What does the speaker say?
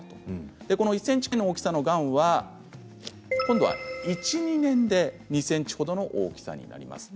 １ｃｍぐらいの大きさのがんは今度は１、２年で２ｃｍほどの大きさになります。